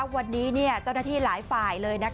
วันนี้เจ้าหน้าที่หลายฝ่ายเลย